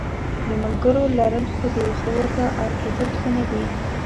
د ملګرو لرل ښه دي خو ورته اړ کېدل ښه نه دي.